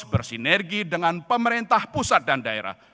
bersinergi dengan pemerintah pusat dan daerah